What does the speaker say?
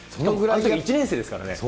あのとき１年生ですからね。